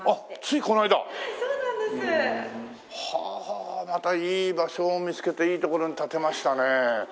はあまたいい場所を見つけていい所に建てましたねえ。